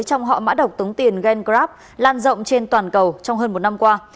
trong họ mã độc tống tiền gengrab lan rộng trên toàn cầu trong hơn một năm qua